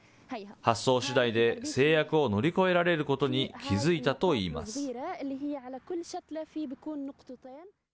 発想しだいで、制約を乗り越えられることに気付いたといいます。